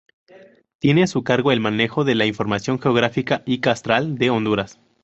Tiene a su cargo el manejo de la información geográfica y catastral de Honduras.